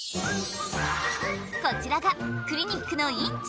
こちらがクリニックの院長。